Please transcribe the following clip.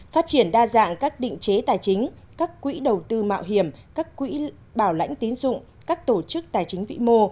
phát triển đa dạng các định chế tài chính các quỹ đầu tư mạo hiểm các quỹ bảo lãnh tín dụng các tổ chức tài chính vĩ mô